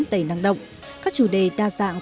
tầy năng động các chủ đề đa dạng